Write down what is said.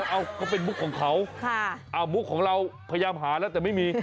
เอ้าก็เป็นมุกของเขามุกของเราพยายามหาแล้วแต่ไม่มี